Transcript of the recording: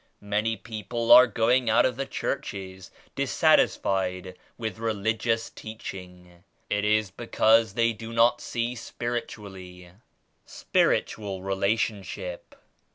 Many people are going out of the churches dissatisfied with religious teaching. It is because they do not see spirit ually." 45 SPIRITUAL RELATIONSHIP.